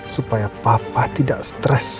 supaya papa tidak stres